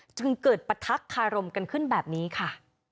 จึงเกิดประทักษคารมกันขึ้นแบบนี้ค่ะ